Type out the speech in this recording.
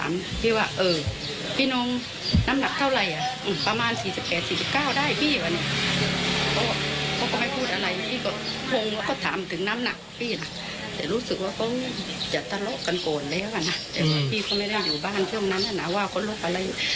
ไม่ได้อยู่บ้านเพิ่มนั้นน่ะว่าก็ลูกอะไร